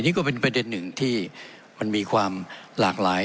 นี่ก็เป็นประเด็นหนึ่งที่มันมีความหลากหลาย